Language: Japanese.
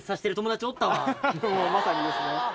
まさにですね。